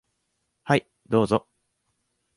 はい、どうぞ。